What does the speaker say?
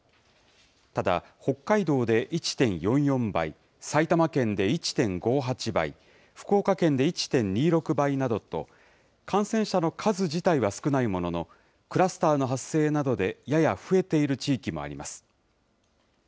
ただ、北海道で１．４４倍、埼玉県で１．５８倍、福岡県で１．２６倍などと、感染者の数自体は少ないものの、クラスターの発生などで、やや増えている地域もあります。